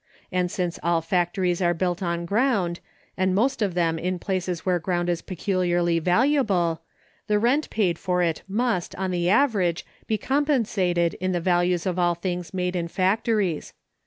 And since all factories are built on ground, and most of them in places where ground is peculiarly valuable, the rent paid for it must, on the average, be compensated in the values of all things made in factories.